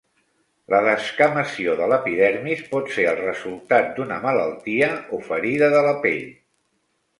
La descamació de l'epidermis pot ser el resultat d'una malaltia o ferida de la pell.